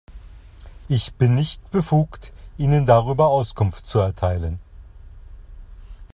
Ich bin nicht befugt, Ihnen darüber Auskunft zu erteilen.